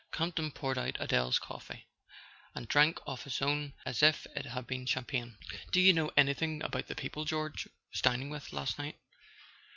Campton poured out Adele's coffee, and drank off his own as if it had been champagne. "Do you know anything about the people George was dining with last night?"